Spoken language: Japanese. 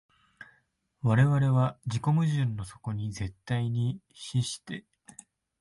我々は自己矛盾の底に絶対に死して、